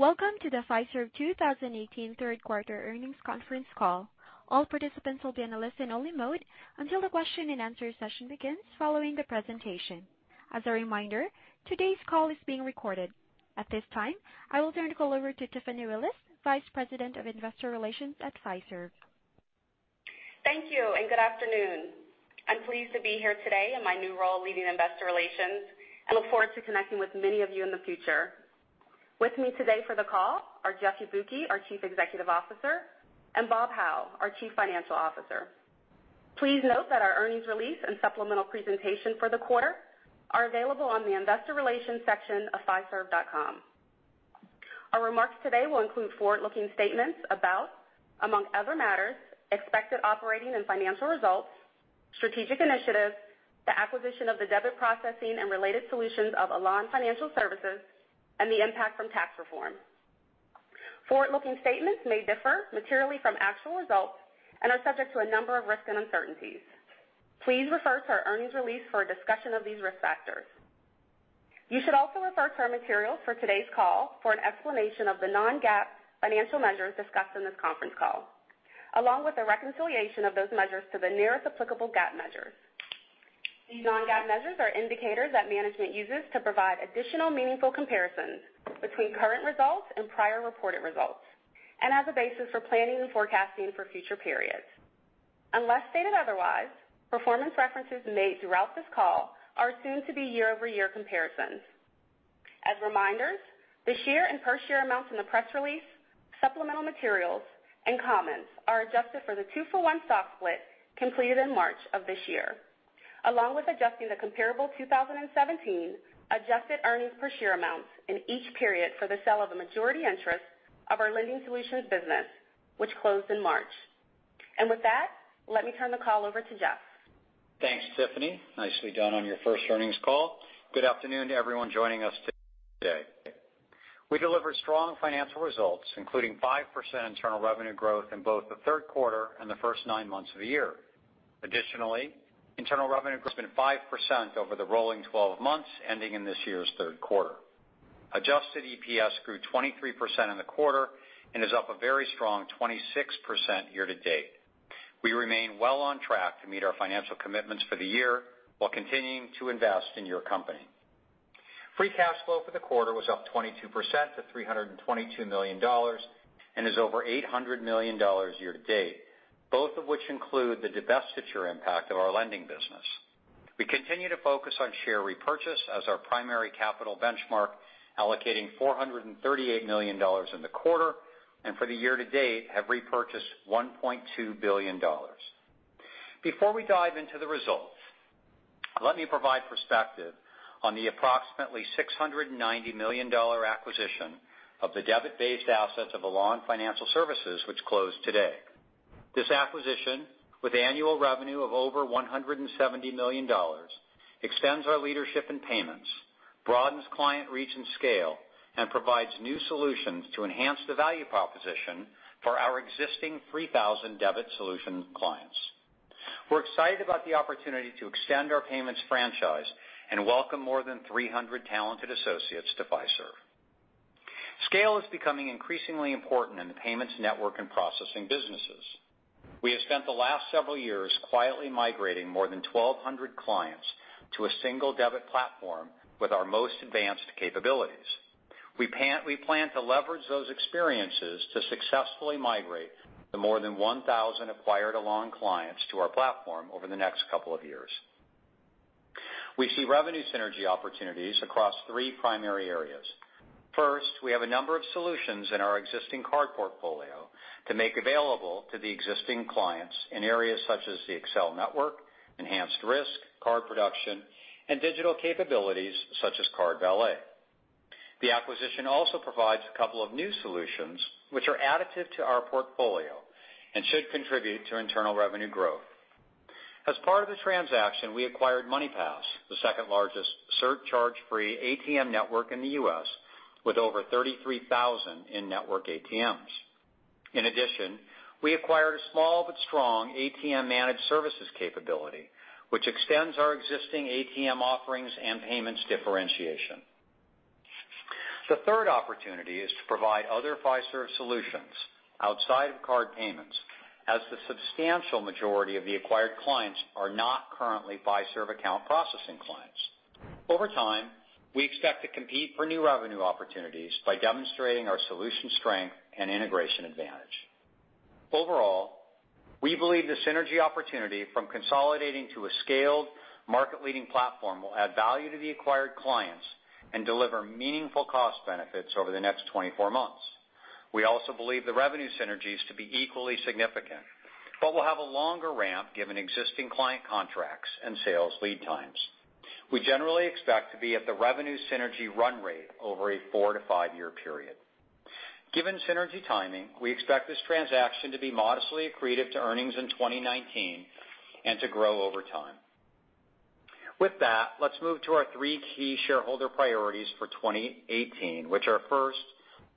Welcome to the Fiserv 2018 third quarter earnings conference call. All participants will be in a listen-only mode until the question and answer session begins following the presentation. As a reminder, today's call is being recorded. At this time, I will turn the call over to Tiffany Willis, Vice President of Investor Relations at Fiserv. Thank you. Good afternoon. I'm pleased to be here today in my new role leading investor relations and look forward to connecting with many of you in the future. With me today for the call are Jeff Yabuki, our Chief Executive Officer, and Bob Hau, our Chief Financial Officer. Please note that our earnings release and supplemental presentation for the quarter are available on the investor relations section of fiserv.com. Our remarks today will include forward-looking statements about, among other matters, expected operating and financial results, strategic initiatives, the acquisition of the debit processing and related solutions of Elan Financial Services, and the impact from tax reform. Forward-looking statements may differ materially from actual results and are subject to a number of risks and uncertainties. Please refer to our earnings release for a discussion of these risk factors. You should also refer to our materials for today's call for an explanation of the non-GAAP financial measures discussed in this conference call, along with a reconciliation of those measures to the nearest applicable GAAP measure. These non-GAAP measures are indicators that management uses to provide additional meaningful comparisons between current results and prior reported results and as a basis for planning and forecasting for future periods. Unless stated otherwise, performance references made throughout this call are assumed to be year-over-year comparisons. As reminders, this year and per share amounts in the press release, supplemental materials, and comments are adjusted for the 2-for-1 stock split completed in March of this year, along with adjusting the comparable 2017 adjusted earnings per share amounts in each period for the sale of the majority interest of our lending solutions business, which closed in March. With that, let me turn the call over to Jeff. Thanks, Tiffany. Nicely done on your first earnings call. Good afternoon to everyone joining us today. We delivered strong financial results, including 5% internal revenue growth in both the third quarter and the first nine months of the year. Additionally, internal revenue growth has been 5% over the rolling 12 months ending in this year's third quarter. Adjusted EPS grew 23% in the quarter and is up a very strong 26% year to date. We remain well on track to meet our financial commitments for the year while continuing to invest in your company. Free cash flow for the quarter was up 22% to $322 million and is over $800 million year to date, both of which include the divestiture impact of our lending business. We continue to focus on share repurchase as our primary capital benchmark, allocating $438 million in the quarter, and for the year to date have repurchased $1.2 billion. Before we dive into the results, let me provide perspective on the approximately $690 million acquisition of the debit-based assets of Elan Financial Services, which closed today. This acquisition, with annual revenue of over $170 million, extends our leadership in payments, broadens client reach and scale, and provides new solutions to enhance the value proposition for our existing 3,000 debit solution clients. We're excited about the opportunity to extend our payments franchise and welcome more than 300 talented associates to Fiserv. Scale is becoming increasingly important in the payments network and processing businesses. We have spent the last several years quietly migrating more than 1,200 clients to a single debit platform with our most advanced capabilities. We plan to leverage those experiences to successfully migrate the more than 1,000 acquired Elan clients to our platform over the next couple of years. We see revenue synergy opportunities across three primary areas. First, we have a number of solutions in our existing card portfolio to make available to the existing clients in areas such as the Accel network, enhanced risk, card production, and digital capabilities such as CardValet. The acquisition also provides a couple of new solutions which are additive to our portfolio and should contribute to internal revenue growth. As part of the transaction, we acquired MoneyPass, the second-largest surcharge-free ATM network in the U.S., with over 33,000 in-network ATMs. In addition, we acquired a small but strong ATM managed services capability, which extends our existing ATM offerings and payments differentiation. The third opportunity is to provide other Fiserv solutions outside of card payments, as the substantial majority of the acquired clients are not currently Fiserv account processing clients. Over time, we expect to compete for new revenue opportunities by demonstrating our solution strength and integration advantage. Overall, we believe the synergy opportunity from consolidating to a scaled, market-leading platform will add value to the acquired clients and deliver meaningful cost benefits over the next 24 months. We also believe the revenue synergies to be equally significant, but will have a longer ramp given existing client contracts and sales lead times. We generally expect to be at the revenue synergy run rate over a four to five-year period. Given synergy timing, we expect this transaction to be modestly accretive to earnings in 2019 and to grow over time. With that, let's move to our three key shareholder priorities for 2018, which are, first,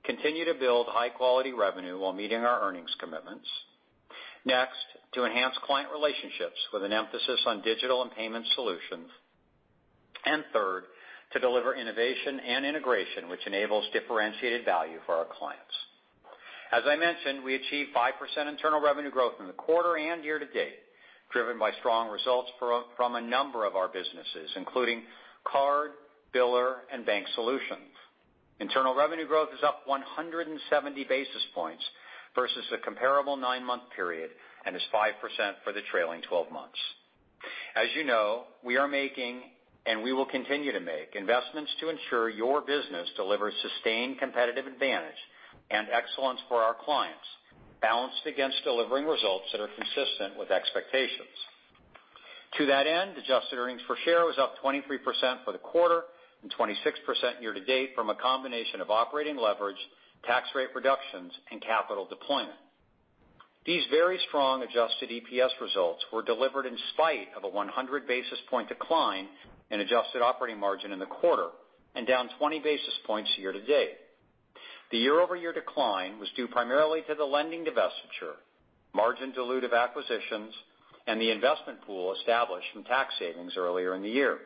continue to build high-quality revenue while meeting our earnings commitments. Next, to enhance client relationships with an emphasis on digital and payment solutions. Third, to deliver innovation and integration, which enables differentiated value for our clients. As I mentioned, we achieved 5% internal revenue growth in the quarter and year to date, driven by strong results from a number of our businesses, including card, biller, and bank solutions. Internal revenue growth is up 170 basis points versus the comparable nine-month period and is 5% for the trailing 12 months. As you know, we are making, and we will continue to make, investments to ensure your business delivers sustained competitive advantage and excellence for our clients, balanced against delivering results that are consistent with expectations. To that end, adjusted earnings per share was up 23% for the quarter and 26% year to date from a combination of operating leverage, tax rate reductions, and capital deployment. These very strong adjusted EPS results were delivered in spite of a 100 basis point decline in adjusted operating margin in the quarter, and down 20 basis points year to date. The year-over-year decline was due primarily to the lending divestiture, margin dilutive acquisitions, and the investment pool established from tax savings earlier in the year.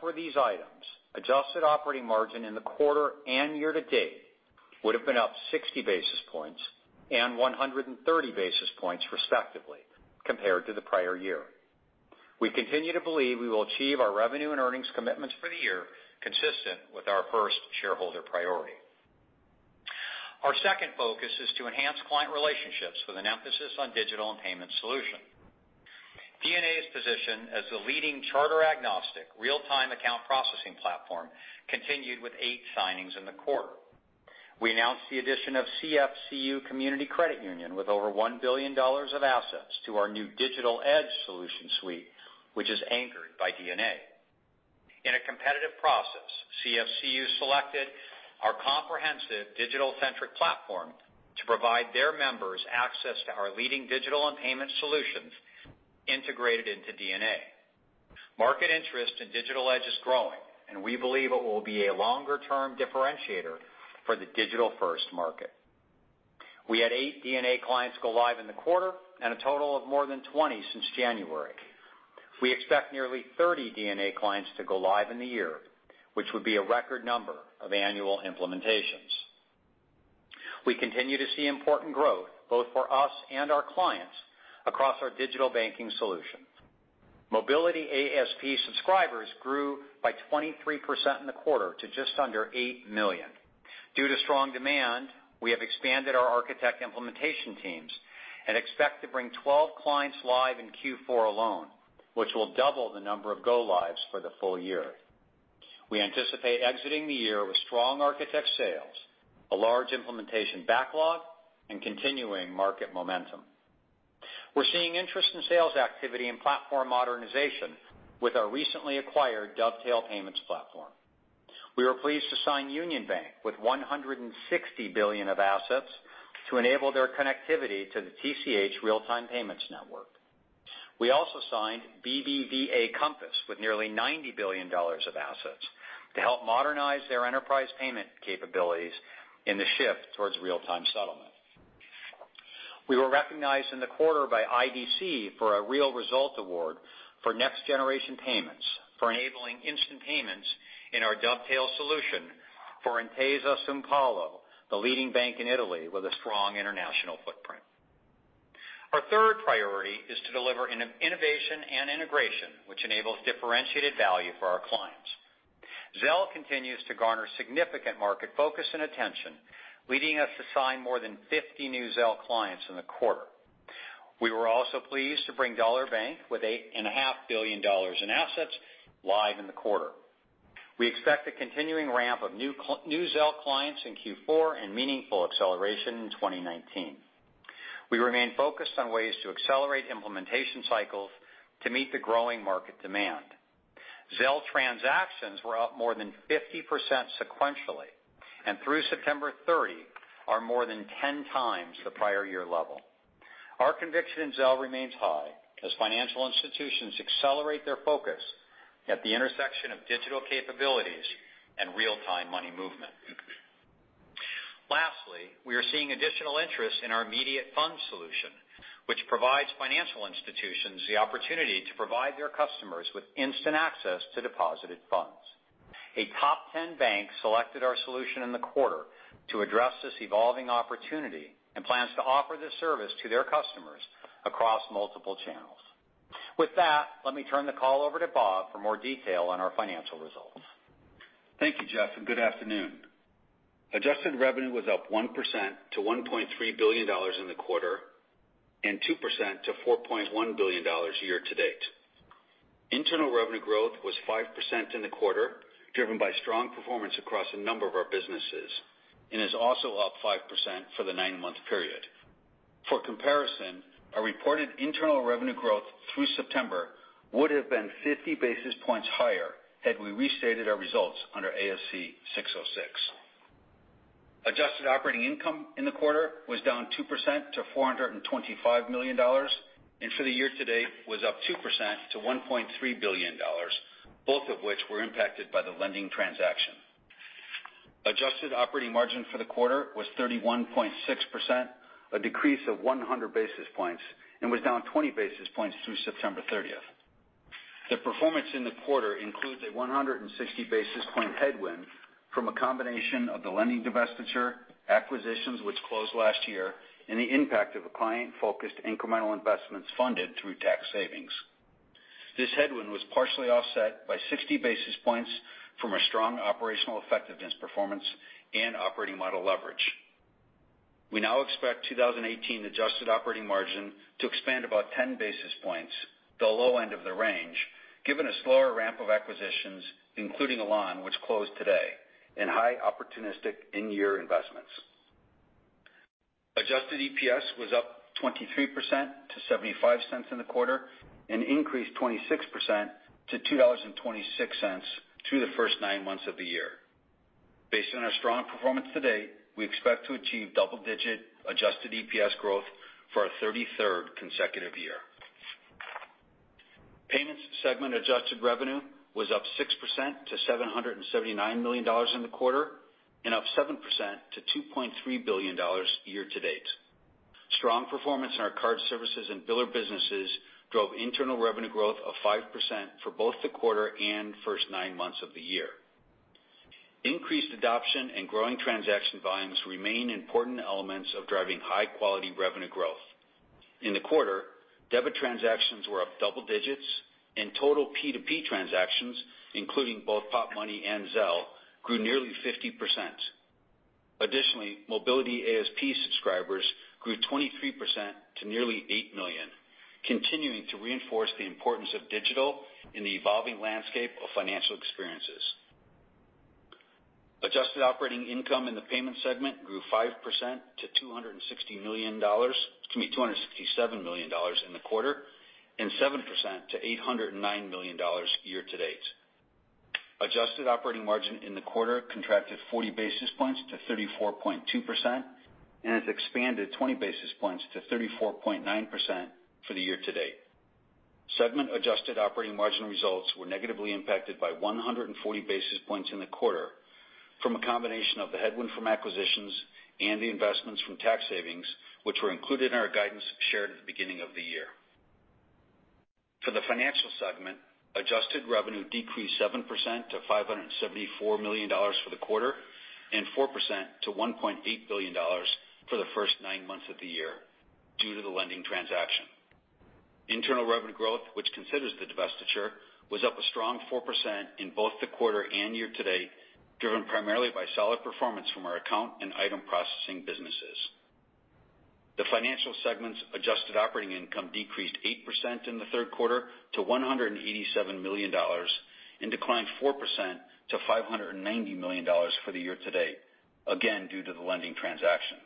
For these items, adjusted operating margin in the quarter and year to date would've been up 60 basis points and 130 basis points respectively, compared to the prior year. We continue to believe we will achieve our revenue and earnings commitments for the year consistent with our first shareholder priority. Our second focus is to enhance client relationships with an emphasis on digital and payment solutions. DNA's position as the leading charter-agnostic, real-time account processing platform continued with eight signings in the quarter. We announced the addition of CFCU Community Credit Union with over $1 billion of assets to our new Digital Edge solution suite, which is anchored by DNA. In a competitive process, CFCU selected our comprehensive digital-centric platform to provide their members access to our leading digital and payment solutions integrated into DNA. Market interest in Digital Edge is growing, and we believe it will be a longer-term differentiator for the digital-first market. We had eight DNA clients go live in the quarter, and a total of more than 20 since January. We expect nearly 30 DNA clients to go live in the year, which would be a record number of annual implementations. We continue to see important growth both for us and our clients across our digital banking solutions. Mobility ASP subscribers grew by 23% in the quarter to just under 8 million. Due to strong demand, we have expanded our Architect implementation teams and expect to bring 12 clients live in Q4 alone, which will double the number of go lives for the full year. We anticipate exiting the year with strong Architect sales, a large implementation backlog, and continuing market momentum. We're seeing interest in sales activity and platform modernization with our recently acquired Dovetail Payments platform. We were pleased to sign Union Bank with $160 billion of assets to enable their connectivity to the TCH real-time payments network. We also signed BBVA Compass with nearly $90 billion of assets to help modernize their enterprise payment capabilities in the shift towards real-time settlement. We were recognized in the quarter by IDC for a Real Result award for next-generation payments for enabling instant payments in our Dovetail solution for Intesa Sanpaolo, the leading bank in Italy with a strong international footprint. Our third priority is to deliver innovation and integration, which enables differentiated value for our clients. Zelle continues to garner significant market focus and attention, leading us to sign more than 50 new Zelle clients in the quarter. We were also pleased to bring Dollar Bank with $8.5 billion in assets live in the quarter. We expect a continuing ramp of new Zelle clients in Q4 and meaningful acceleration in 2019. We remain focused on ways to accelerate implementation cycles to meet the growing market demand. Zelle transactions were up more than 50% sequentially, and through September 30, are more than 10 times the prior year level. Our conviction in Zelle remains high as financial institutions accelerate their focus at the intersection of digital capabilities and real-time money movement. Lastly, we are seeing additional interest in our Immediate Funds solution, which provides financial institutions the opportunity to provide their customers with instant access to deposited funds. A top 10 bank selected our solution in the quarter to address this evolving opportunity and plans to offer this service to their customers across multiple channels. With that, let me turn the call over to Bob for more detail on our financial results. Thank you, Jeff. Good afternoon. Adjusted revenue was up 1% to $1.3 billion in the quarter, and 2% to $4.1 billion year to date. Internal revenue growth was 5% in the quarter, driven by strong performance across a number of our businesses, and is also up 5% for the nine-month period. For comparison, our reported internal revenue growth through September would've been 50 basis points higher had we restated our results under ASC 606. Adjusted operating income in the quarter was down 2% to $425 million, and for the year to date was up 2% to $1.3 billion, both of which were impacted by the lending transaction. Adjusted operating margin for the quarter was 31.6%, a decrease of 100 basis points, and was down 20 basis points through September 30th. The performance in the quarter includes a 160-basis point headwind from a combination of the lending divestiture, acquisitions which closed last year, and the impact of a client-focused incremental investments funded through tax savings. This headwind was partially offset by 60 basis points from a strong operational effectiveness performance and operating model leverage. We now expect 2018 adjusted operating margin to expand about 10 basis points, the low end of the range, given a slower ramp of acquisitions, including Elan, which closed today, and high opportunistic in-year investments. Adjusted EPS was up 23% to $0.75 in the quarter and increased 26% to $2.26 through the first nine months of the year. Based on our strong performance to date, we expect to achieve double-digit adjusted EPS growth for our 33rd consecutive year. Payments segment adjusted revenue was up 6% to $779 million in the quarter, and up 7% to $2.3 billion year-to-date. Strong performance in our card services and biller businesses drove internal revenue growth of 5% for both the quarter and first nine months of the year. Increased adoption and growing transaction volumes remain important elements of driving high-quality revenue growth. In the quarter, debit transactions were up double digits and total P2P transactions, including both Popmoney and Zelle, grew nearly 50%. Additionally, mobility ASP subscribers grew 23% to nearly 8 million, continuing to reinforce the importance of digital in the evolving landscape of financial experiences. Adjusted operating income in the payments segment grew 5% to $267 million in the quarter and 7% to $809 million year-to-date. Adjusted operating margin in the quarter contracted 40 basis points to 34.2% and has expanded 20 basis points to 34.9% for the year-to-date. Segment adjusted operating margin results were negatively impacted by 140 basis points in the quarter from a combination of the headwind from acquisitions and the investments from tax savings, which were included in our guidance shared at the beginning of the year. For the financial segment, adjusted revenue decreased 7% to $574 million for the quarter and 4% to $1.8 billion for the first nine months of the year due to the lending transaction. Internal revenue growth, which considers the divestiture, was up a strong 4% in both the quarter and year-to-date, driven primarily by solid performance from our account and item processing businesses. The financial segment's adjusted operating income decreased 8% in the third quarter to $187 million and declined 4% to $590 million for the year-to-date, again, due to the lending transaction.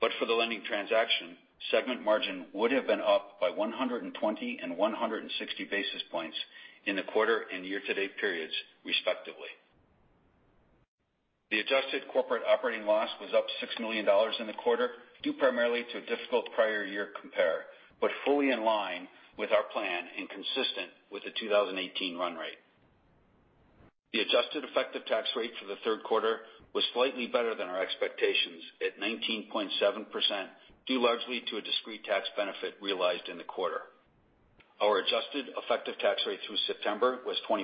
For the lending transaction, segment margin would have been up by 120 and 160 basis points in the quarter and year-to-date periods, respectively. The adjusted corporate operating loss was up $6 million in the quarter due primarily to a difficult prior year compare, but fully in line with our plan and consistent with the 2018 run rate. The adjusted effective tax rate for the third quarter was slightly better than our expectations at 19.7%, due largely to a discrete tax benefit realized in the quarter. Our adjusted effective tax rate through September was 20.7%.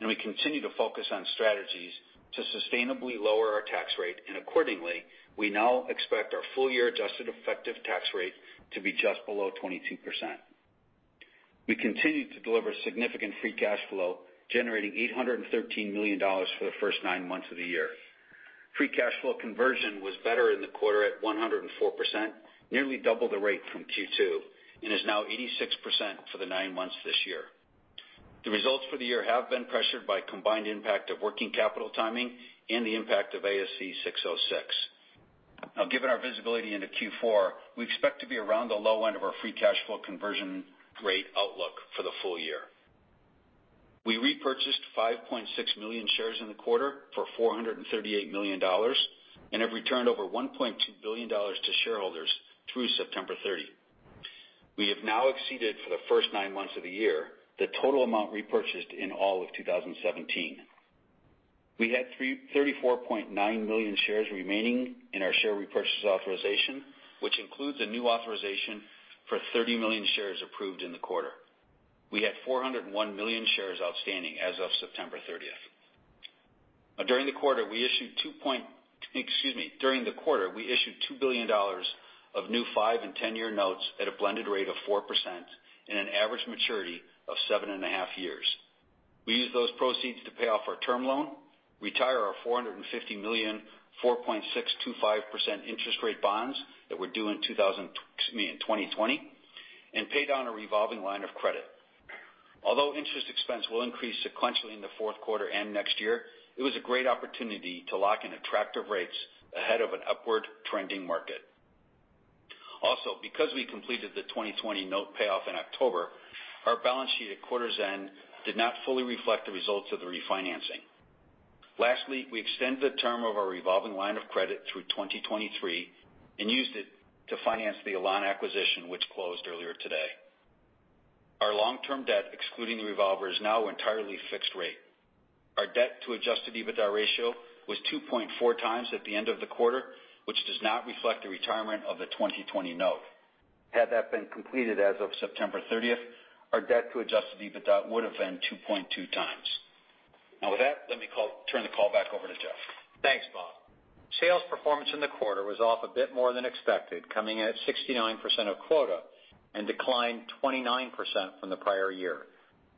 We continue to focus on strategies to sustainably lower our tax rate, and accordingly, we now expect our full-year adjusted effective tax rate to be just below 22%. We continued to deliver significant free cash flow, generating $813 million for the first nine months of the year. Free cash flow conversion was better in the quarter at 104%, nearly double the rate from Q2, and is now 86% for the nine months this year. The results for the year have been pressured by combined impact of working capital timing and the impact of ASC 606. Given our visibility into Q4, we expect to be around the low end of our free cash flow conversion rate outlook for the full year. We repurchased 5.6 million shares in the quarter for $438 million and have returned over $1.2 billion to shareholders through September 30. We have now exceeded for the first nine months of the year the total amount repurchased in all of 2017. We had 34.9 million shares remaining in our share repurchase authorization, which includes a new authorization for 30 million shares approved in the quarter. We had 401 million shares outstanding as of September 30th. During the quarter, we issued $2 billion of new five and 10-year notes at a blended rate of 4% and an average maturity of seven and a half years. We used those proceeds to pay off our term loan, retire our $450 million 4.625% interest rate bonds that were due in 2020, and pay down a revolving line of credit. Although interest expense will increase sequentially in the fourth quarter and next year, it was a great opportunity to lock in attractive rates ahead of an upward-trending market. Because we completed the 2020 note payoff in October, our balance sheet at quarter's end did not fully reflect the results of the refinancing. Lastly, we extended the term of our revolving line of credit through 2023 and used it to finance the Elan acquisition, which closed earlier today. Our long-term debt, excluding the revolver, is now entirely fixed rate. Our debt to adjusted EBITDA ratio was 2.4 times at the end of the quarter, which does not reflect the retirement of the 2020 note. Had that been completed as of September 30th, our debt to adjusted EBITDA would've been 2.2 times. With that, let me turn the call back over to Jeff. Thanks, Bob. Sales performance in the quarter was off a bit more than expected, coming in at 69% of quota and declined 29% from the prior year.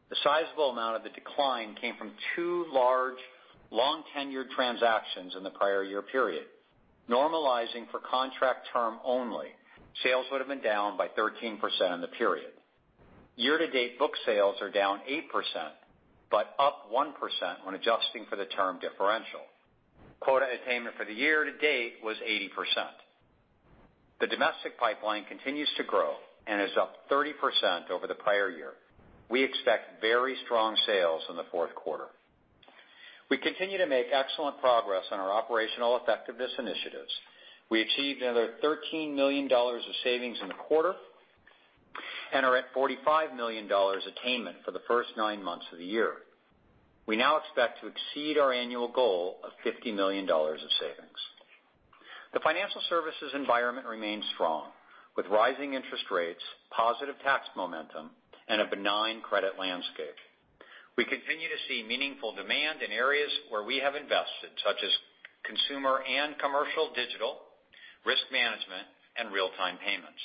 The sizable amount of the decline came from two large, long-tenured transactions in the prior year period. Normalizing for contract term only, sales would've been down by 13% in the period. Year-to-date book sales are down 8%, but up 1% when adjusting for the term differential. Quota attainment for the year-to-date was 80%. The domestic pipeline continues to grow and is up 30% over the prior year. We expect very strong sales in the fourth quarter. We continue to make excellent progress on our operational effectiveness initiatives. We achieved another $13 million of savings in the quarter and are at $45 million attainment for the first nine months of the year. We now expect to exceed our annual goal of $50 million of savings. The financial services environment remains strong with rising interest rates, positive tax momentum, and a benign credit landscape. We continue to see meaningful demand in areas where we have invested, such as consumer and commercial digital, risk management, and real-time payments.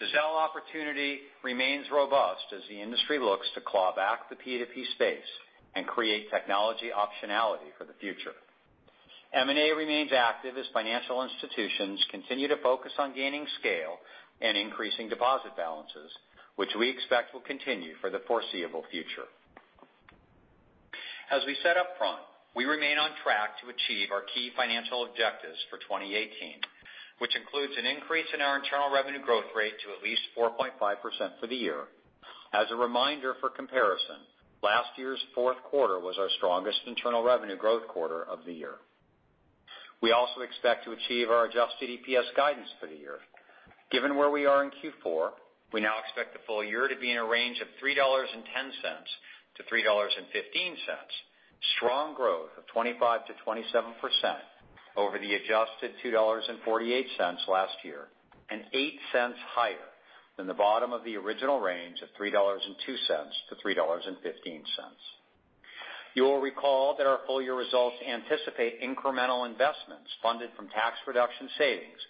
The Zelle opportunity remains robust as the industry looks to claw back the P2P space and create technology optionality for the future. M&A remains active as financial institutions continue to focus on gaining scale and increasing deposit balances, which we expect will continue for the foreseeable future. As we said upfront, we remain on track to achieve our key financial objectives for 2018, which includes an increase in our internal revenue growth rate to at least 4.5% for the year. As a reminder for comparison, last year's fourth quarter was our strongest internal revenue growth quarter of the year. We also expect to achieve our adjusted EPS guidance for the year. Given where we are in Q4, we now expect the full year to be in a range of $3.10-$3.15, strong growth of 25%-27% over the adjusted $2.48 last year, and $0.08 higher than the bottom of the original range of $3.02-$3.15. You will recall that our full-year results anticipate incremental investments funded from tax reduction savings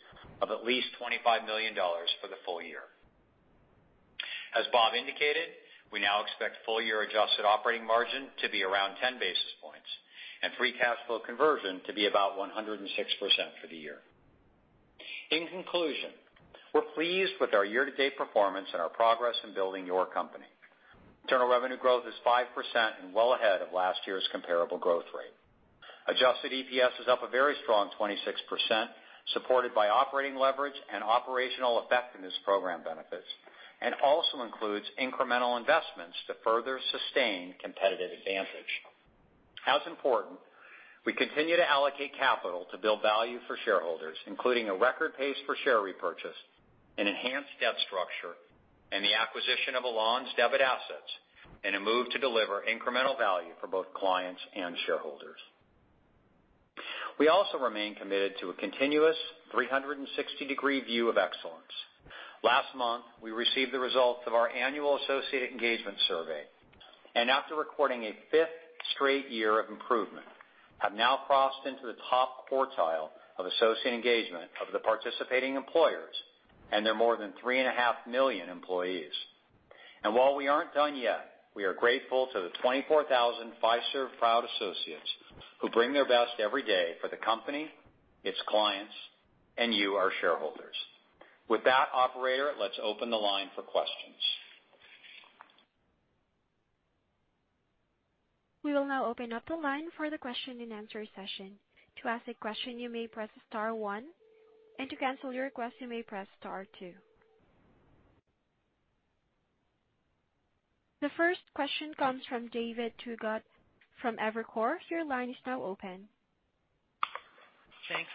of at least $25 million for the full year. As Bob indicated, we now expect full-year adjusted operating margin to be around 10 basis points and free cash flow conversion to be about 106% for the year. In conclusion, we're pleased with our year-to-date performance and our progress in building your company. Internal revenue growth is 5% and well ahead of last year's comparable growth rate. Adjusted EPS is up a very strong 26%, supported by operating leverage and operational effectiveness program benefits, and also includes incremental investments to further sustain competitive advantage. As important, we continue to allocate capital to build value for shareholders, including a record pace for share repurchase, an enhanced debt structure, and the acquisition of Elan's debit assets in a move to deliver incremental value for both clients and shareholders. We also remain committed to a continuous 360-degree view of excellence. Last month, we received the results of our annual associate engagement survey, and after recording a fifth straight year of improvement, have now crossed into the top quartile of associate engagement of the participating employers and their more than 3.5 million employees. While we aren't done yet, we are grateful to the 24,000 Fiserv proud associates who bring their best every day for the company, its clients, and you, our shareholders. With that, operator, let's open the line for questions. We will now open up the line for the question-and-answer session. To ask a question, you may press star one, and to cancel your request, you may press star two. The first question comes from David Togut from Evercore. Your line is now open. Thanks.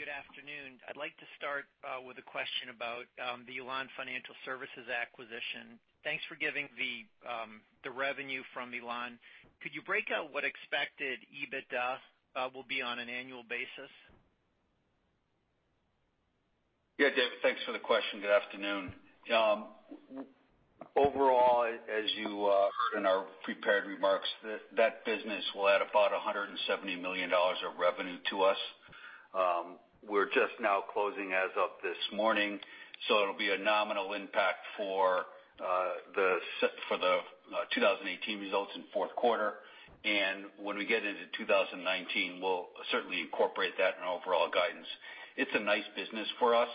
Good afternoon. I'd like to start with a question about the Elan Financial Services acquisition. Thanks for giving the revenue from Elan. Could you break out what expected EBITDA will be on an annual basis? Yeah, Dave. Thanks for the question. Good afternoon. Overall, as you heard in our prepared remarks, that business will add about $170 million of revenue to us. We're just now closing as of this morning, so it'll be a nominal impact for the 2018 results in the fourth quarter. When we get into 2019, we'll certainly incorporate that in our overall guidance. It's a nice business for us.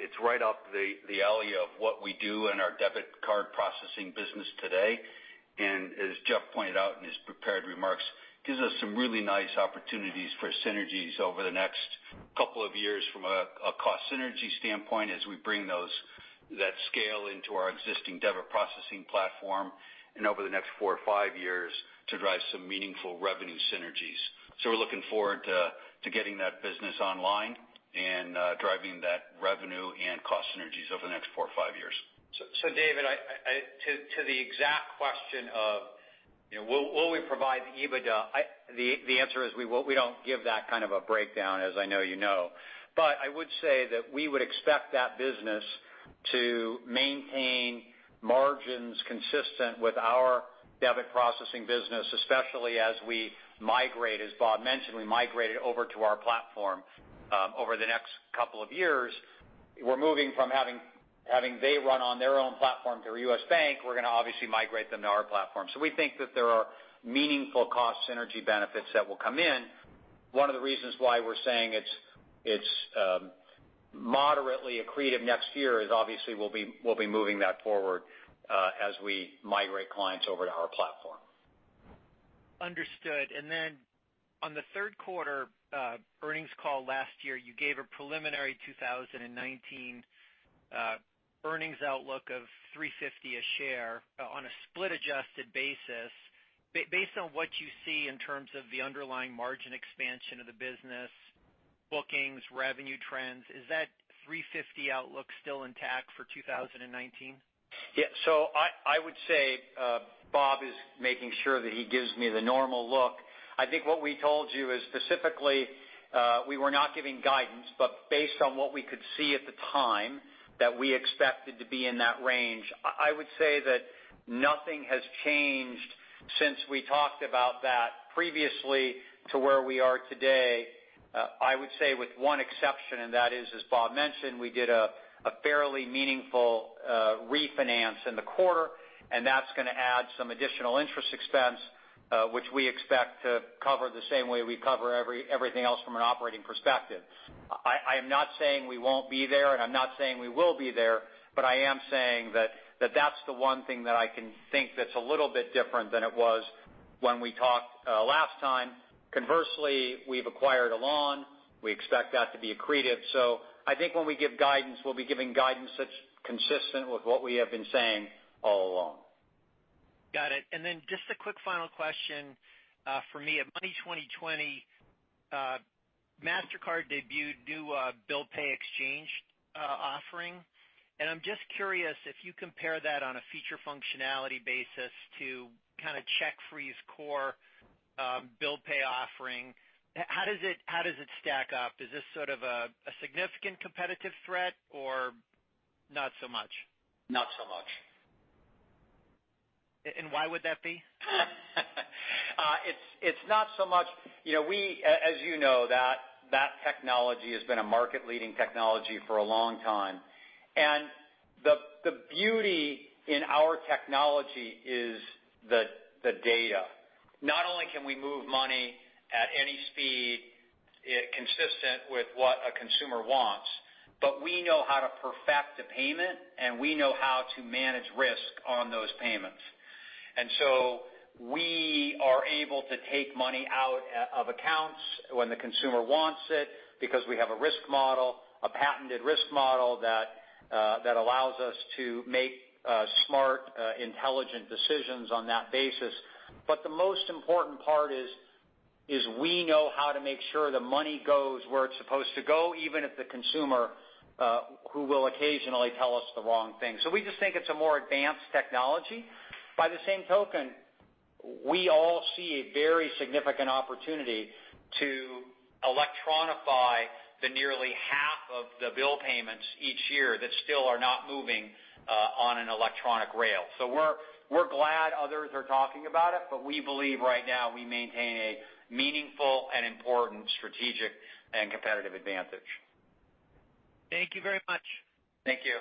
It's right up the alley of what we do in our debit card processing business today. As Jeff pointed out in his prepared remarks, gives us some really nice opportunities for synergies over the next couple of years from a cost synergy standpoint as we bring that scale into our existing debit processing platform and over the next four or five years to drive some meaningful revenue synergies. We're looking forward to getting that business online and driving that revenue and cost synergies over the next four or five years. David, to the exact question of will we provide EBITDA? The answer is we won't. We don't give that kind of a breakdown, as I know you know. I would say that we would expect that business to maintain margins consistent with our debit processing business, especially as we migrate. As Bob mentioned, we migrated over to our platform over the next couple of years. We're moving from having they run on their own platform through U.S. Bank. We're going to obviously migrate them to our platform. We think that there are meaningful cost synergy benefits that will come in. One of the reasons why we're saying it's moderately accretive next year is obviously we'll be moving that forward as we migrate clients over to our platform. Understood. On the third quarter earnings call last year, you gave a preliminary 2019 earnings outlook of $3.50 a share on a split adjusted basis. Based on what you see in terms of the underlying margin expansion of the business, bookings, revenue trends, is that $3.50 outlook still intact for 2019? Yes. I would say Bob is making sure that he gives me the normal look. I think what we told you is specifically we were not giving guidance, but based on what we could see at the time, that we expected to be in that range. I would say that nothing has changed since we talked about that previously to where we are today. I would say with one exception, and that is, as Bob mentioned, we did a fairly meaningful refinance in the quarter, and that is going to add some additional interest expense which we expect to cover the same way we cover everything else from an operating perspective. I am not saying we won't be there, I'm not saying we will be there, I am saying that that's the one thing that I can think that's a little bit different than it was when we talked last time. Conversely, we've acquired Elan. We expect that to be accretive. I think when we give guidance, we'll be giving guidance that's consistent with what we have been saying all along. Got it. Just a quick final question for me. At Money20/20, Mastercard debuted new Bill Pay Exchange offering, I'm just curious if you compare that on a feature functionality basis to kind of CheckFree's core bill pay offering, how does it stack up? Is this sort of a significant competitive threat or not so much? Not so much. Why would that be? It's not so much. As you know, that technology has been a market leading technology for a long time. The beauty in our technology is the data. Not only can we move money at any speed consistent with what a consumer wants, but we know how to perfect a payment, and we know how to manage risk on those payments. We are able to take money out of accounts when the consumer wants it because we have a risk model, a patented risk model that allows us to make smart, intelligent decisions on that basis. The most important part is we know how to make sure the money goes where it's supposed to go, even if the consumer who will occasionally tell us the wrong thing. We just think it's a more advanced technology. By the same token, we all see a very significant opportunity to electronify the nearly half of the bill payments each year that still are not moving on an electronic rail. We're glad others are talking about it, but we believe right now we maintain a meaningful and important strategic and competitive advantage. Thank you very much. Thank you.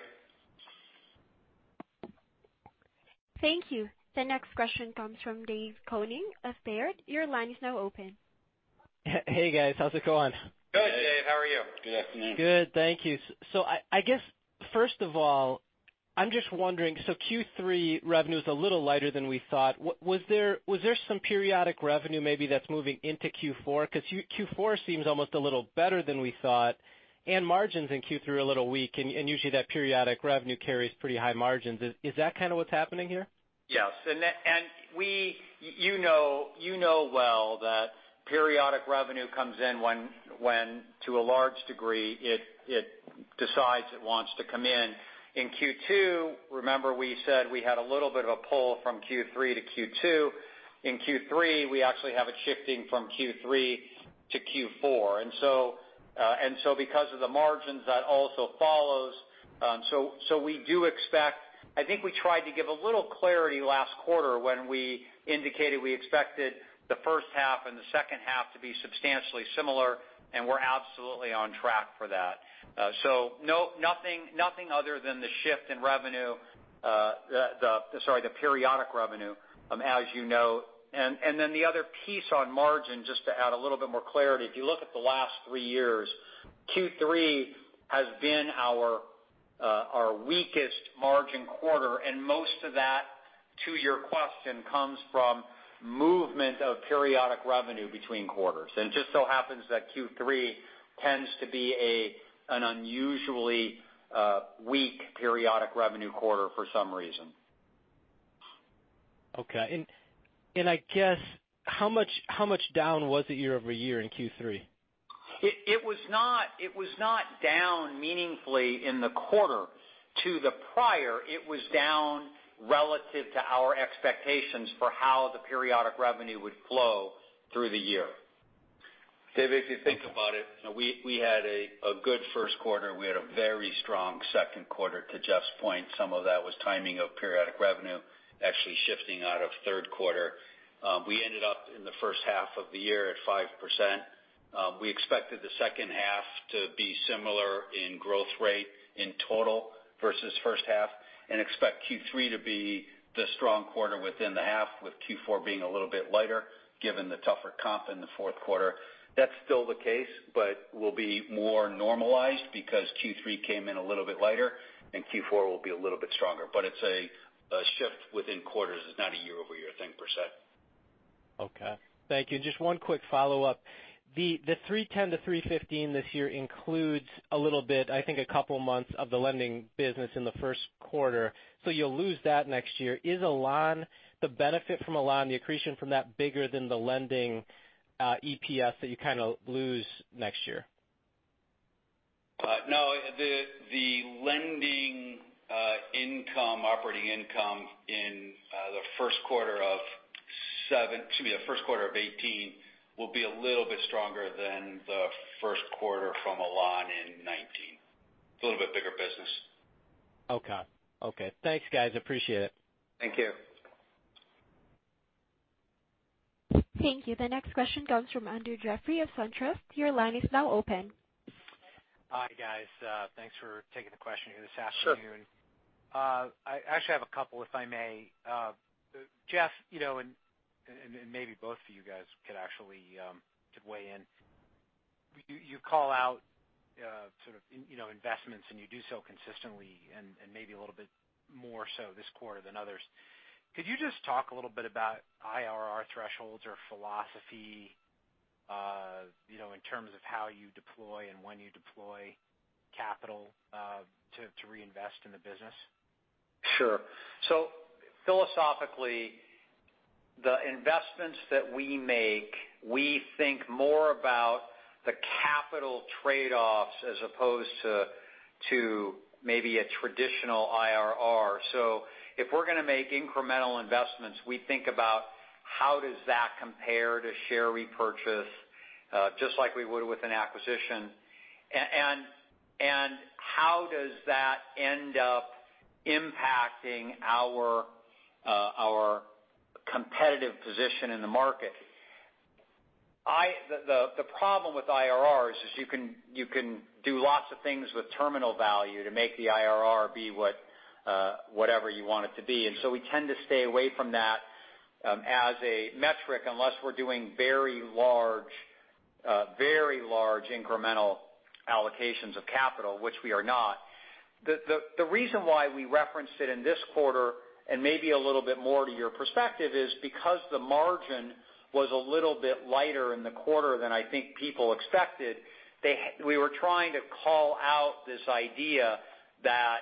Thank you. The next question comes from David Koning of Baird. Your line is now open. Hey guys, how's it going? Good, Dave, how are you? Good afternoon. Good, thank you. I guess first of all, I'm just wondering, Q3 revenue is a little lighter than we thought. Was there some periodic revenue maybe that's moving into Q4? Because Q4 seems almost a little better than we thought and margins in Q3 are a little weak and usually that periodic revenue carries pretty high margins. Is that kind of what's happening here? Yes. You know well that periodic revenue comes in when to a large degree it decides it wants to come in. In Q2, remember we said we had a little bit of a pull from Q3 to Q2. In Q3, we actually have it shifting from Q3 to Q4. Because of the margins that also follows. I think we tried to give a little clarity last quarter when we indicated we expected the first half and the second half to be substantially similar, we're absolutely on track for that. Nothing other than the shift in revenue, sorry, the periodic revenue as you know. The other piece on margin, just to add a little bit more clarity. If you look at the last three years, Q3 has been our weakest margin quarter, and most of that, to your question, comes from movement of periodic revenue between quarters. It just so happens that Q3 tends to be an unusually weak periodic revenue quarter for some reason. Okay. I guess, how much down was it year-over-year in Q3? It was not down meaningfully in the quarter to the prior. It was down relative to our expectations for how the periodic revenue would flow through the year. David, if you think about it, we had a good first quarter. We had a very strong second quarter, to Jeff's point. Some of that was timing of periodic revenue actually shifting out of third quarter. We ended up in the first half of the year at 5%. We expected the second half to be similar in growth rate in total versus first half, and expect Q3 to be the strong quarter within the half, with Q4 being a little bit lighter, given the tougher comp in the fourth quarter. That's still the case, but will be more normalized because Q3 came in a little bit lighter, and Q4 will be a little bit stronger. It's a shift within quarters. It's not a year-over-year thing per se. Okay. Thank you. Just one quick follow-up. The $310-$315 this year includes a little bit, I think, a couple of months of the lending business in the first quarter. You'll lose that next year. Is the benefit from Elan, the accretion from that bigger than the lending EPS that you kind of lose next year? No, the lending operating income in the first quarter of 2018 will be a little bit stronger than the first quarter from Elan in 2019. It's a little bit bigger business. Okay. Thanks, guys. Appreciate it. Thank you. Thank you. The next question comes from Andrew Jeffrey of SunTrust. Your line is now open. Hi, guys. Thanks for taking the question here this afternoon. Sure. I actually have a couple, if I may. Jeff, maybe both of you guys could actually weigh in. You call out sort of investments, and you do so consistently and maybe a little bit more so this quarter than others. Could you just talk a little bit about IRR thresholds or philosophy in terms of how you deploy and when you deploy capital to reinvest in the business? Sure. Philosophically, the investments that we make, we think more about the capital trade-offs as opposed to maybe a traditional IRR. If we're going to make incremental investments, we think about how does that compare to share repurchase, just like we would with an acquisition. How does that end up impacting our competitive position in the market? The problem with IRRs is you can do lots of things with terminal value to make the IRR be whatever you want it to be, we tend to stay away from that as a metric, unless we're doing very large incremental allocations of capital, which we are not. The reason why we referenced it in this quarter, and maybe a little bit more to your perspective, is because the margin was a little bit lighter in the quarter than I think people expected. We were trying to call out this idea that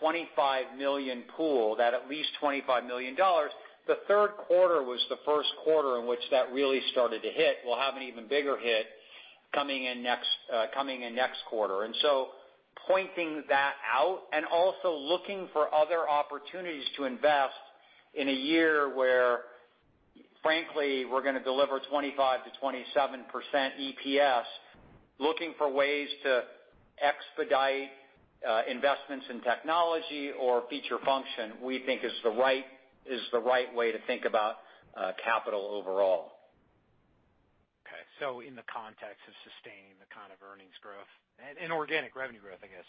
25 million pool, that at least $25 million, the third quarter was the first quarter in which that really started to hit. We'll have an even bigger hit coming in next quarter. Pointing that out and also looking for other opportunities to invest in a year where, frankly, we're going to deliver 25%-27% EPS, looking for ways to expedite investments in technology or feature function, we think is the right way to think about capital overall. Okay. In the context of sustaining the kind of earnings growth and organic revenue growth, I guess.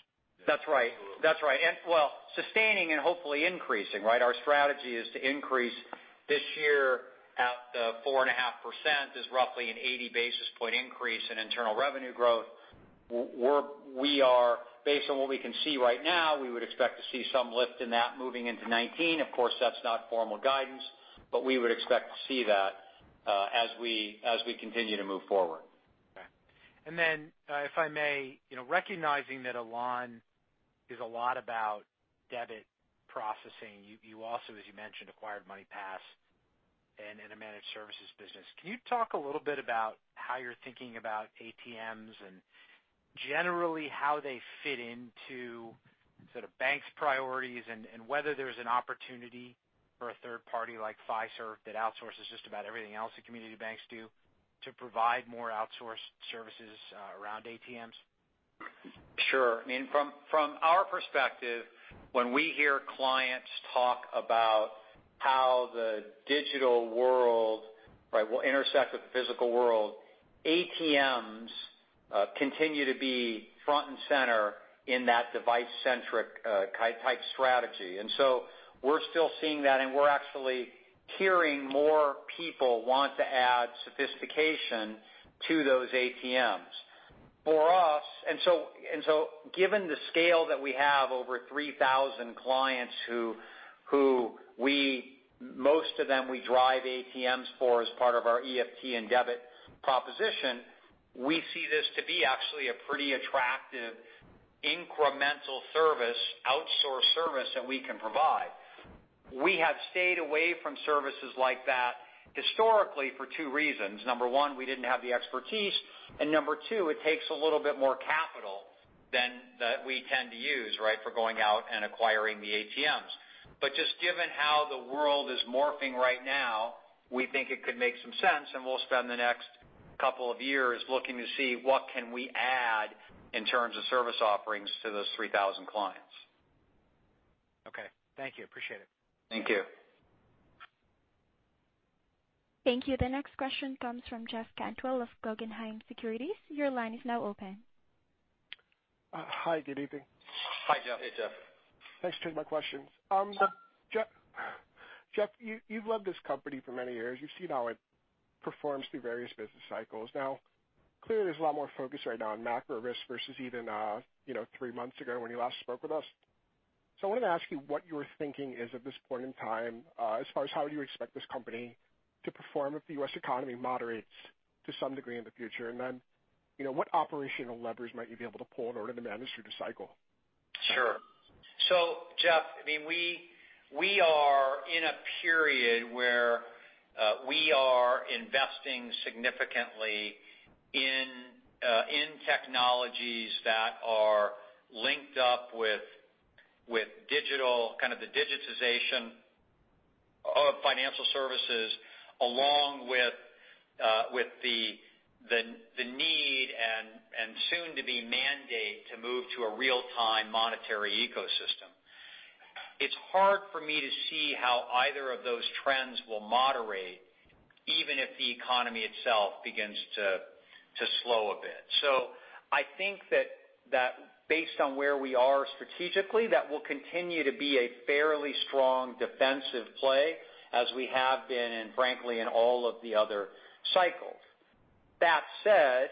That's right. Well, sustaining and hopefully increasing, right? Our strategy is to increase this year at the 4.5% is roughly an 80 basis point increase in internal revenue growth. Based on what we can see right now, we would expect to see some lift in that moving into 2019. Of course, that's not formal guidance, we would expect to see that as we continue to move forward. Okay. If I may, recognizing that Elan is a lot about debit processing. You also, as you mentioned, acquired MoneyPass and in a managed services business. Can you talk a little bit about how you're thinking about ATMs and generally how they fit into sort of banks' priorities and whether there's an opportunity for a third party like Fiserv that outsources just about everything else that community banks do to provide more outsourced services around ATMs? Sure. From our perspective, when we hear clients talk about how the digital world will intersect with the physical world, ATMs continue to be front and center in that device-centric type strategy. We're still seeing that, and we're actually hearing more people want to add sophistication to those ATMs. For us, given the scale that we have over 3,000 clients who most of them we drive ATMs for as part of our EFT and debit proposition, we see this to be actually a pretty attractive incremental service, outsourced service that we can provide. We have stayed away from services like that historically for two reasons. Number 1, we didn't have the expertise, and Number 2, it takes a little bit more capital than that we tend to use for going out and acquiring the ATMs. Just given how the world is morphing right now, we think it could make some sense, and we'll spend the next couple of years looking to see what can we add in terms of service offerings to those 3,000 clients. Okay. Thank you. Appreciate it. Thank you. Thank you. The next question comes from Jeff Cantwell of Guggenheim Securities. Your line is now open. Hi, good evening. Hi, Jeff. Hey, Jeff. Thanks for taking my questions. Sure. Jeff, you've loved this company for many years. You've seen how it performs through various business cycles. Now, clearly there's a lot more focus right now on macro risk versus even 3 months ago when you last spoke with us. I wanted to ask you what your thinking is at this point in time, as far as how you expect this company to perform if the U.S. economy moderates to some degree in the future. What operational levers might you be able to pull in order to manage through the cycle? Sure. Jeff, we are in a period where we are investing significantly in technologies that are linked up with kind of the digitization of financial services along with the need and soon-to-be mandate to move to a real-time monetary ecosystem. It's hard for me to see how either of those trends will moderate, even if the economy itself begins to slow a bit. I think that based on where we are strategically, that will continue to be a fairly strong defensive play as we have been, and frankly, in all of the other cycles. That said,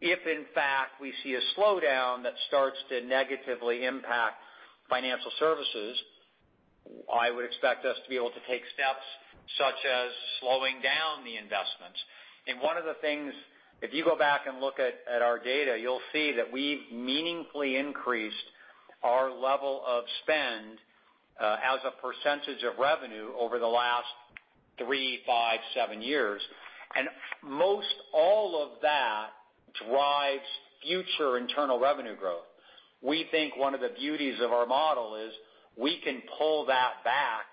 if in fact we see a slowdown that starts to negatively impact financial services, I would expect us to be able to take steps such as slowing down the investments. One of the things, if you go back and look at our data, you'll see that we've meaningfully increased our level of spend as a percentage of revenue over the last three, five, seven years. Most all of that drives future internal revenue growth. We think one of the beauties of our model is we can pull that back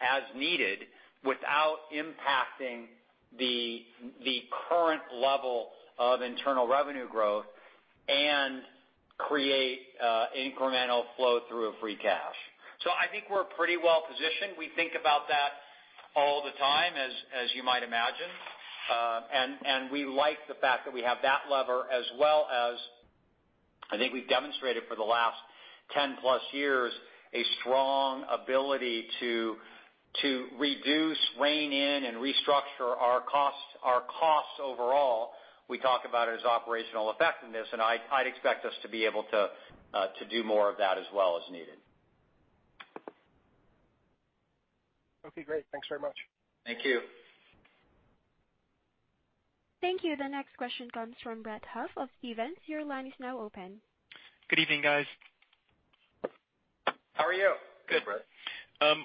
as needed without impacting the current level of internal revenue growth and create incremental flow through of free cash. I think we're pretty well positioned. We think about that all the time, as you might imagine. We like the fact that we have that lever as well as I think we've demonstrated for the last 10+ years, a strong ability to reduce, rein in, and restructure our costs overall. We talk about it as operational effectiveness, and I'd expect us to be able to do more of that as well as needed. Okay, great. Thanks very much. Thank you. Thank you. The next question comes from Brett Huff of Stephens. Your line is now open. Good evening, guys. How are you? Good, Brett.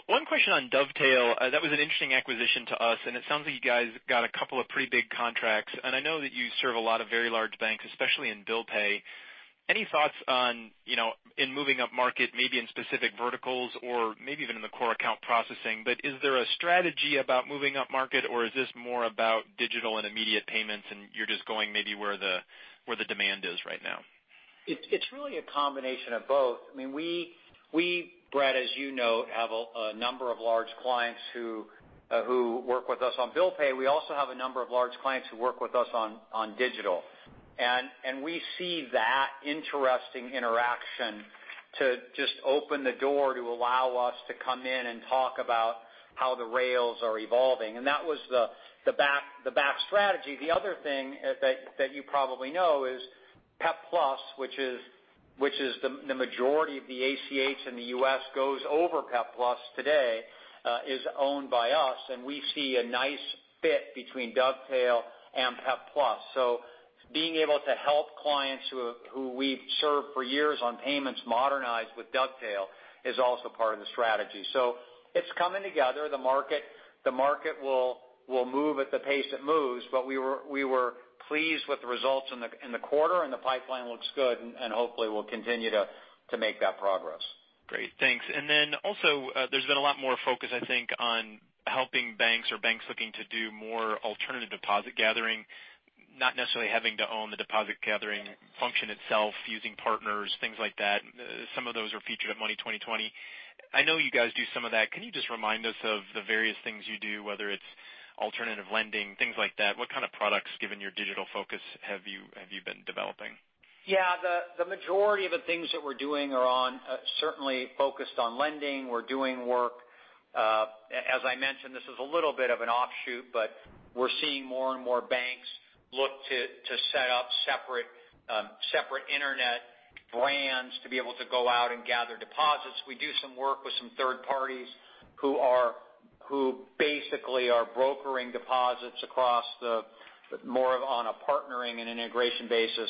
One question on Dovetail. That was an interesting acquisition to us, and it sounds like you guys got a couple of pretty big contracts. I know that you serve a lot of very large banks, especially in bill pay. Any thoughts on in moving up market, maybe in specific verticals or maybe even in the core account processing, but is there a strategy about moving up market, or is this more about digital and immediate payments and you're just going maybe where the demand is right now? It's really a combination of both. We, Brett, as you know, have a number of large clients who work with us on bill pay. We also have a number of large clients who work with us on digital. We see that interesting interaction to just open the door to allow us to come in and talk about how the rails are evolving. That was the back strategy. The other thing that you probably know is PEP+, which is the majority of the ACH in the U.S. goes over PEP+ today, is owned by us, and we see a nice fit between Dovetail and PEP+. Being able to help clients who we've served for years on payments modernized with Dovetail is also part of the strategy. It's coming together. The market will move at the pace it moves, we were pleased with the results in the quarter, the pipeline looks good, hopefully we'll continue to make that progress. Great. Thanks. Then also, there's been a lot more focus, I think, on helping banks or banks looking to do more alternative deposit gathering, not necessarily having to own the deposit gathering function itself, using partners, things like that. Some of those were featured at Money20/20. I know you guys do some of that. Can you just remind us of the various things you do, whether it's alternative lending, things like that? What kind of products, given your digital focus, have you been developing? Yeah. The majority of the things that we're doing are certainly focused on lending. We're doing work. As I mentioned, this is a little bit of an offshoot, we're seeing more and more banks look to set up separate internet brands to be able to go out and gather deposits. We do some work with some third parties who basically are brokering deposits across more on a partnering and integration basis,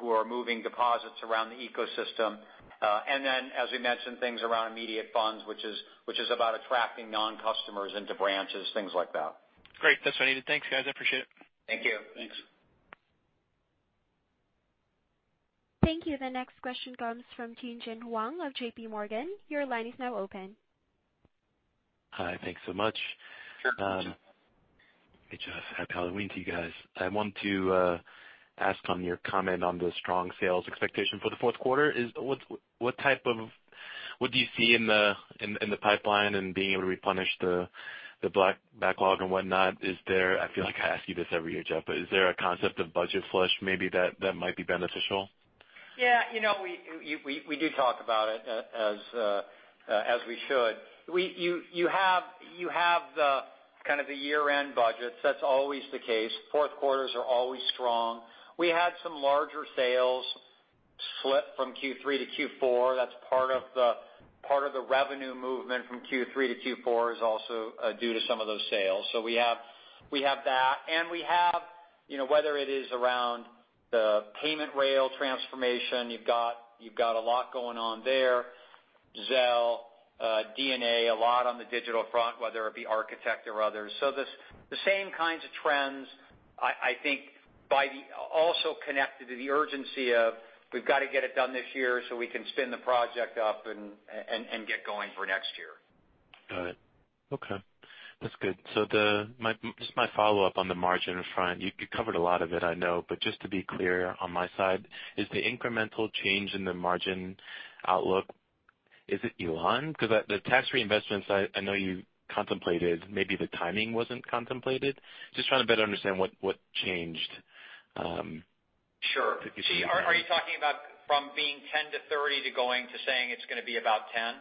who are moving deposits around the ecosystem. Then, as we mentioned, things around Immediate Funds, which is about attracting non-customers into branches, things like that. Great. That's what I needed. Thanks, guys. I appreciate it. Thank you. Thanks. Thank you. The next question comes from Tien-Tsin Huang of J.P. Morgan. Your line is now open. Hi. Thanks so much. Sure. Hey, Jeff. Happy Halloween to you guys. I want to ask on your comment on the strong sales expectation for the fourth quarter. What do you see in the pipeline and being able to replenish the backlog and whatnot? I feel like I ask you this every year, Jeff, is there a concept of budget flush maybe that might be beneficial? Yeah. We do talk about it as we should. You have the kind of the year-end budgets. That's always the case. Fourth quarters are always strong. We had some larger sales slip from Q3 to Q4. That's part of the revenue movement from Q3 to Q4 is also due to some of those sales. We have that, and we have whether it is around the payment rail transformation, you've got a lot going on there. Zelle, DNA, a lot on the digital front, whether it be Architect or others. The same kinds of trends, I think also connected to the urgency of we've got to get it done this year so we can spin the project up and get going for next year. Got it. Okay. That's good. Just my follow-up on the margin front. You covered a lot of it, I know, just to be clear on my side, is the incremental change in the margin outlook, is it Elan? Because the tax reinvestments, I know you contemplated, maybe the timing wasn't contemplated. Just trying to better understand what changed. Sure. Are you talking about from being 10 to 30 to going to saying it's going to be about 10?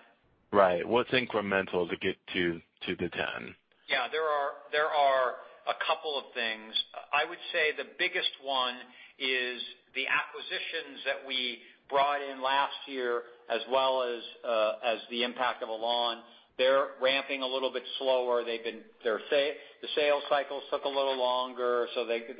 Right. What's incremental to get to the 10? Yeah, there are a couple of things. I would say the biggest one is the acquisitions that we brought in last year, as well as the impact of Elan. They're ramping a little bit slower. The sales cycles took a little longer.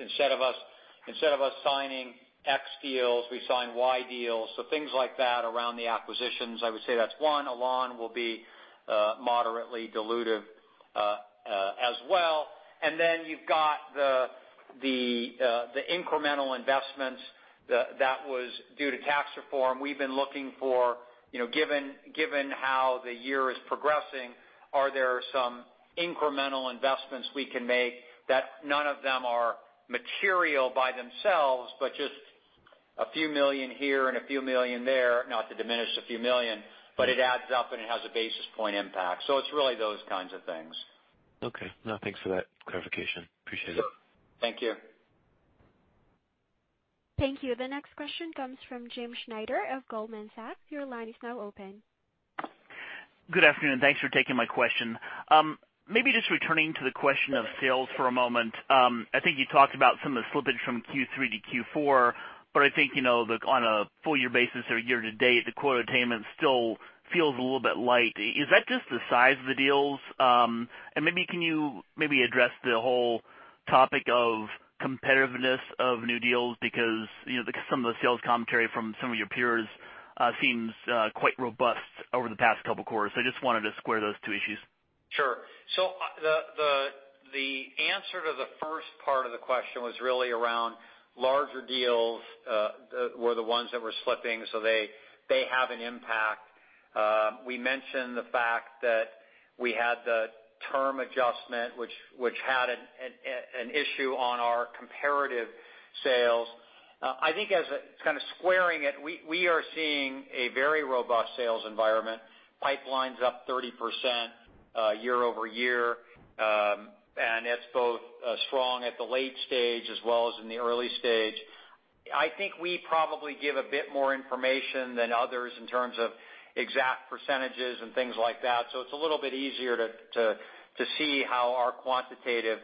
Instead of us signing X deals, we signed Y deals. Things like that around the acquisitions, I would say that's one. Elan will be moderately dilutive as well. You've got the incremental investments that was due to tax reform. We've been looking for, given how the year is progressing, are there some incremental investments we can make that none of them are material by themselves, but just a few million here and a few million there, not to diminish a few million, but it adds up and it has a basis point impact. It's really those kinds of things. Okay. No, thanks for that clarification. Appreciate it. Sure. Thank you. Thank you. The next question comes from James Schneider of Goldman Sachs. Your line is now open. Good afternoon. Thanks for taking my question. Maybe just returning to the question of sales for a moment. I think you talked about some of the slippage from Q3 to Q4, but I think, on a full-year basis or year-to-date, the quota attainment still feels a little bit light. Maybe can you maybe address the whole topic of competitiveness of new deals because some of the sales commentary from some of your peers seems quite robust over the past couple of quarters. I just wanted to square those two issues. Sure. The answer to the first part of the question was really around larger deals were the ones that were slipping, so they have an impact. We mentioned the fact that we had the term adjustment, which had an issue on our comparative sales. I think as kind of squaring it, we are seeing a very robust sales environment. Pipeline's up 30% year-over-year. It's both strong at the late stage as well as in the early stage. I think we probably give a bit more information than others in terms of exact percentages and things like that. It's a little bit easier to see how our quantitative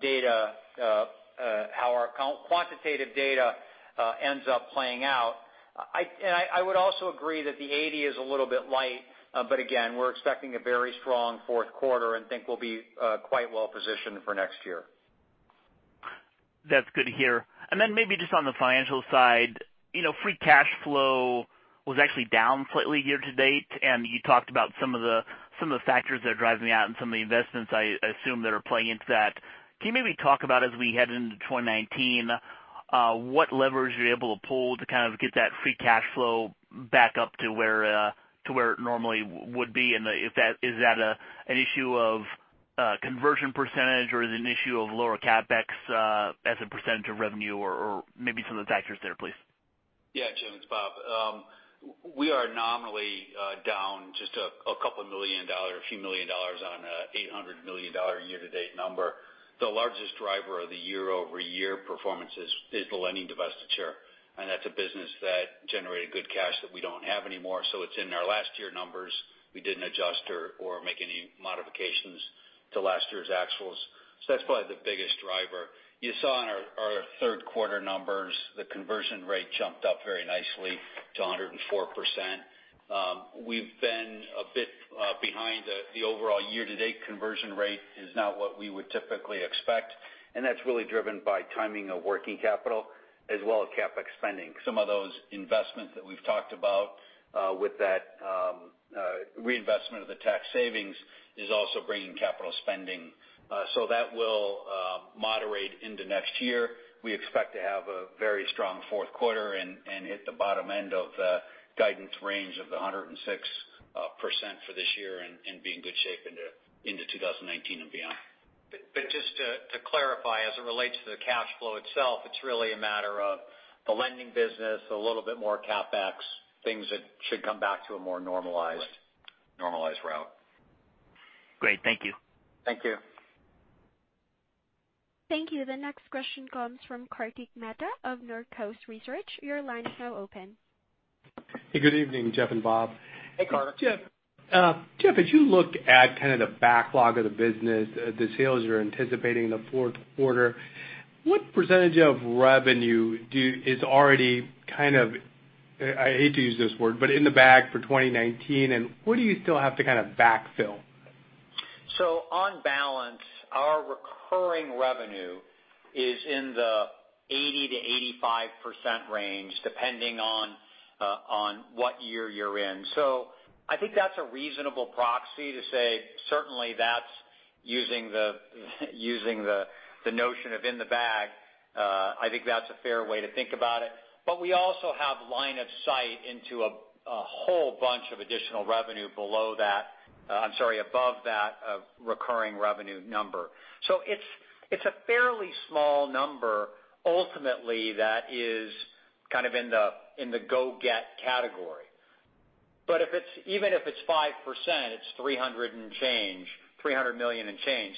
data ends up playing out. I would also agree that the 80% is a little bit light. Again, we're expecting a very strong fourth quarter and think we'll be quite well positioned for next year. That's good to hear. Then maybe just on the financial side, free cash flow was actually down slightly year-to-date, and you talked about some of the factors that are driving that and some of the investments I assume that are playing into that. Can you maybe talk about as we head into 2019, what levers you're able to pull to kind of get that free cash flow back up to where it normally would be? Is that an issue of conversion % or is it an issue of lower CapEx as a % of revenue or maybe some of the factors there, please? Yeah, Jim, it's Bob. We are nominally down just a couple million dollars, a few million dollars on a $800 million year-to-date number. The largest driver of the year-over-year performances is the lending divestiture. That's a business that generated good cash that we don't have anymore. It's in our last year numbers. We didn't adjust or make any modifications to last year's actuals. That's probably the biggest driver. You saw in our third-quarter numbers, the conversion rate jumped up very nicely to 104%. We've been a bit behind the overall year-to-date conversion rate is not what we would typically expect. That's really driven by timing of working capital as well as CapEx spending. Some of those investments that we've talked about, with that reinvestment of the tax savings is also bringing capital spending. That will moderate into next year. We expect to have a very strong fourth quarter and hit the bottom end of the guidance range of the 106% for this year and be in good shape into 2019 and beyond. Just to clarify, as it relates to the cash flow itself, it's really a matter of the lending business, a little bit more CapEx, things that should come back to a more normalized- Right normalized route. Great. Thank you. Thank you. Thank you. The next question comes from Kartik Mehta of Northcoast Research. Your line is now open. Hey, good evening, Jeff and Bob. Hey, Kartik. Jeff, as you look at kind of the backlog of the business, the sales you're anticipating in the fourth quarter, what % of revenue is already kind of, I hate to use this word, but in the bag for 2019, and what do you still have to kind of backfill? On balance, our recurring revenue is in the 80%-85% range, depending on what year you're in. I think that's a reasonable proxy to say certainly that's using the notion of in the bag. I think that's a fair way to think about it. We also have line of sight into a whole bunch of additional revenue above that recurring revenue number. It's a fairly small number ultimately that is kind of in the go-get category. Even if it's 5%, it's $300 and change, $300 million and change.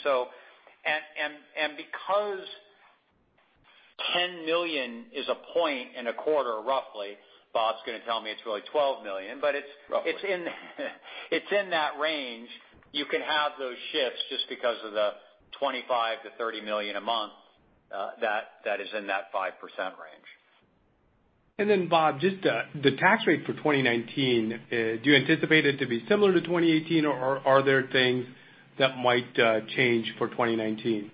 Because $10 million is a point in a quarter, roughly, Bob's going to tell me it's really $12 million- Roughly It's in that range. You can have those shifts just because of the $25 million to $30 million a month that is in that 5% range. Bob, just the tax rate for 2019, do you anticipate it to be similar to 2018, or are there things that might change for 2019?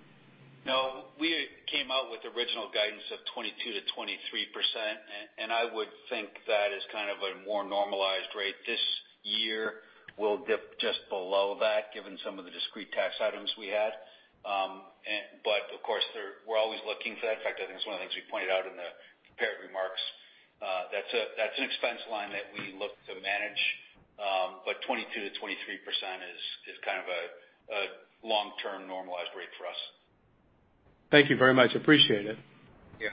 No. We came out with original guidance of 22% to 23%, I would think that is kind of a more normalized rate this year. We'll dip just below that given some of the discrete tax items we had. Of course, we're always looking for that. In fact, I think it's one of the things we pointed out in the prepared remarks. That's an expense line that we look to manage. 22% to 23% is kind of a long-term normalized rate for us. Thank you very much. Appreciate it. Yeah.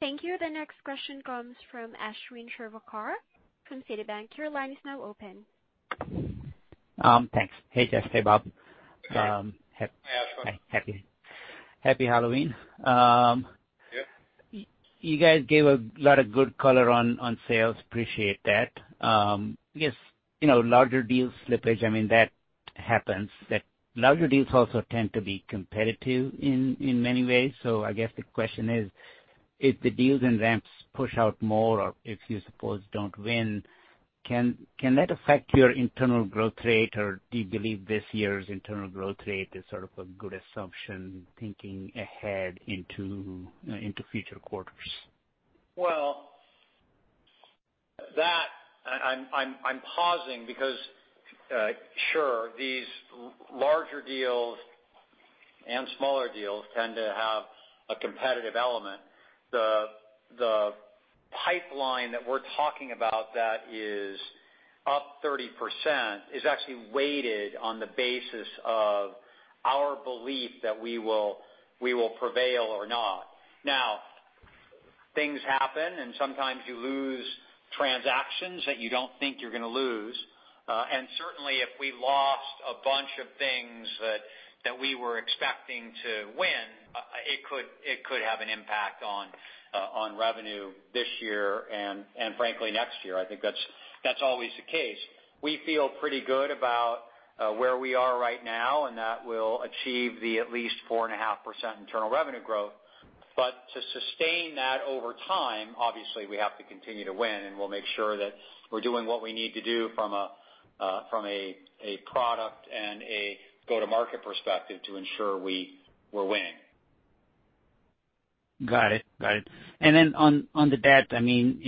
Thank you. The next question comes from Ashwin Shirvaikar from Citi. Your line is now open. Thanks. Hey, Jeff. Hey, Bob. Hey. Hi, Ashwin. Happy Halloween. Yeah. You guys gave a lot of good color on sales. Appreciate that. I guess, larger deals slippage, I mean, that happens. Larger deals also tend to be competitive in many ways. I guess the question is, if the deals and ramps push out more, or if you suppose don't win, can that affect your internal growth rate, or do you believe this year's internal growth rate is sort of a good assumption thinking ahead into future quarters? Well, that I'm pausing because, sure, these larger deals and smaller deals tend to have a competitive element. The pipeline that we're talking about that is up 30% is actually weighted on the basis of our belief that we will prevail or not. Things happen, and sometimes you lose transactions that you don't think you're going to lose. Certainly, if we lost a bunch of things that we were expecting to win, it could have an impact on revenue this year and frankly, next year. I think that's always the case. We feel pretty good about where we are right now, and that we'll achieve the at least 4.5% internal revenue growth. To sustain that over time, obviously, we have to continue to win, and we'll make sure that we're doing what we need to do from a product and a go-to-market perspective to ensure we're winning. Got it. On the debt, I mean,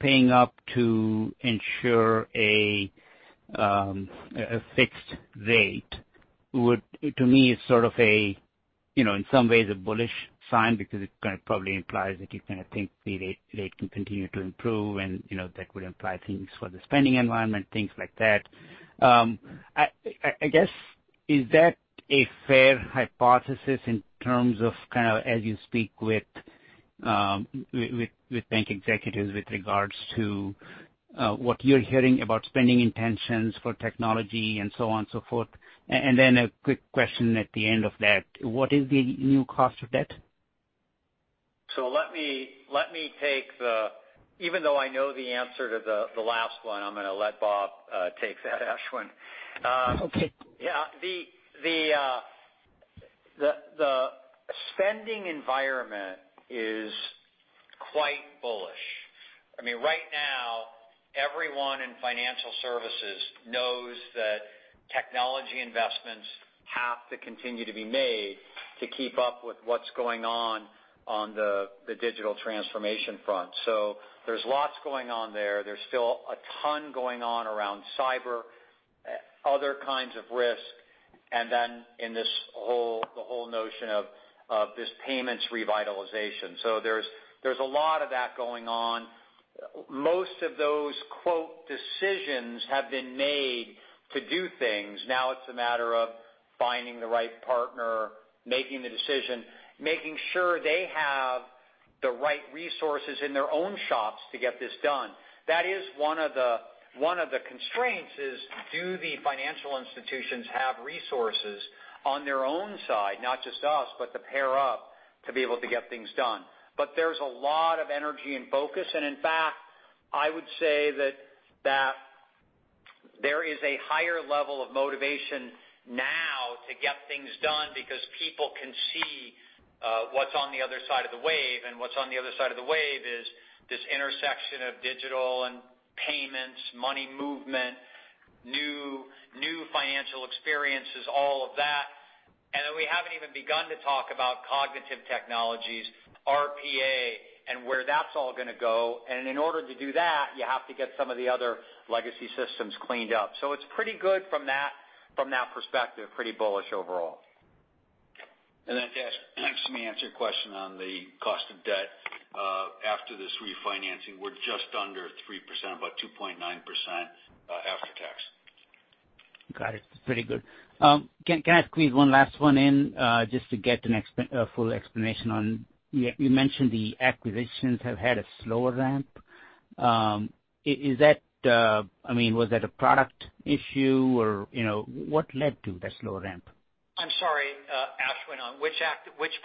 paying up to ensure a fixed rate would, to me, is sort of a, in some ways, a bullish sign because it probably implies that you kind of think the rate can continue to improve, and that would imply things for the spending environment, things like that. I guess, is that a fair hypothesis in terms of kind of, as you speak with bank executives with regards to what you're hearing about spending intentions for technology and so on and so forth. A quick question at the end of that, what is the new cost of debt? Let me take the Even though I know the answer to the last one, I'm going to let Bob take that, Ashwin. Okay. Yeah. The spending environment is quite bullish. Right now, everyone in financial services knows that technology investments have to continue to be made to keep up with what's going on the digital transformation front. There's lots going on there. There's still a ton going on around cyber, other kinds of risk, and then in the whole notion of this payments revitalization. There's a lot of that going on. Most of those, quote, "decisions" have been made to do things. It's a matter of finding the right partner, making the decision, making sure they have the right resources in their own shops to get this done. That is one of the constraints is, do the financial institutions have resources on their own side, not just us, but to pair up to be able to get things done. There's a lot of energy and focus. In fact, I would say that there is a higher level of motivation now to get things done because people can see what's on the other side of the wave. What's on the other side of the wave is this intersection of digital and payments, money movement, new financial experiences, all of that. Then we haven't even begun to talk about cognitive technologies, RPA, and where that's all going to go. In order to do that, you have to get some of the other legacy systems cleaned up. It's pretty good from that perspective. Pretty bullish overall. Ashwin, let me answer your question on the cost of debt. After this refinancing, we're just under 3%, about 2.9% after tax. Got it. Pretty good. Can I squeeze one last one in just to get a full explanation on You mentioned the acquisitions have had a slower ramp. Was that a product issue or what led to the slow ramp? I'm sorry, Ashwin, on which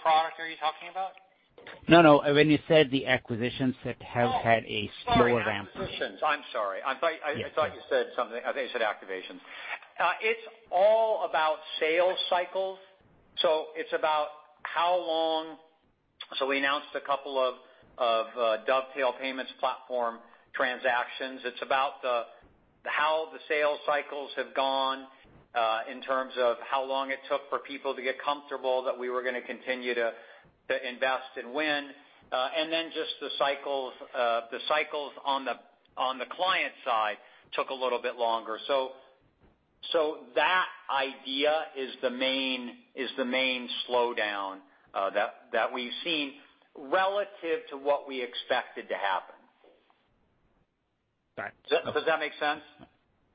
product are you talking about? No, no. When you said the acquisitions that have had a slower ramp. Oh, acquisitions. I'm sorry. Yes. I thought you said something. I thought you said activations. It's all about sales cycles. It's about how long we announced a couple of Dovetail payments platform transactions. It's about how the sales cycles have gone in terms of how long it took for people to get comfortable that we were going to continue to invest and win. Then just the cycles on the client side took a little bit longer. That idea is the main slowdown that we've seen relative to what we expected to happen. Got it. Does that make sense?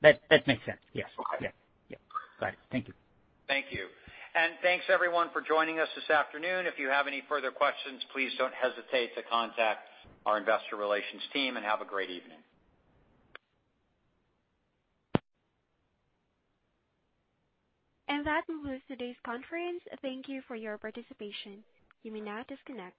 That makes sense. Yes. Okay. Yeah. Got it. Thank you. Thank you. Thanks everyone for joining us this afternoon. If you have any further questions, please don't hesitate to contact our investor relations team. Have a great evening. That concludes today's conference. Thank you for your participation. You may now disconnect.